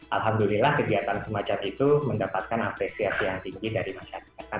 alhamdulillah kegiatan semacam itu mendapatkan apresiasi yang tinggi dari masyarakat